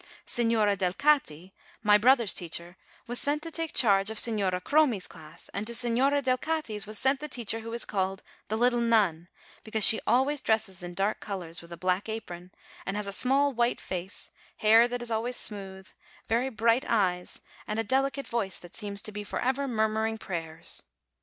Signora Delcati, my brother's teacher, was sent to take charge of Signora Cromi's class, and to Signora Delcati's was sent the teacher who is called "the little nun," because she always dresses in dark colors, with a black apron, and has a small white face, hair that is always smooth, very bright eyes, and a delicate voice, 68 DECEMBER that seems to be forever murmuring prayers.